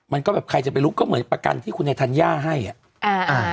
มันก็แบบใครจะไปลุกก็เหมือนประกันที่คุณไอ้ธัญญาให้อ่ะอ่าอ่า